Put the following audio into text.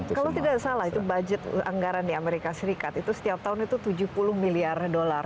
kalau tidak salah itu budget anggaran di amerika serikat itu setiap tahun itu tujuh puluh miliar dolar